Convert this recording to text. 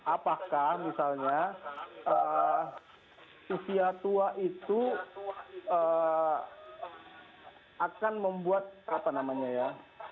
apakah misalnya usia tua itu akan membuat apa namanya ya